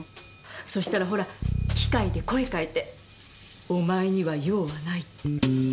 そしたらほら機械で声変えて「お前には用はない」って。